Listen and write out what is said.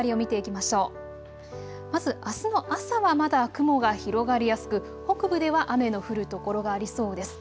まずあすの朝はまだ雲が広がりやすく北部では雨の降る所がありそうです。